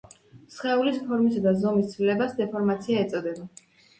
სხეულის ფორმისა და ზომის ცვლილებას დეფორმაცია ეწოდება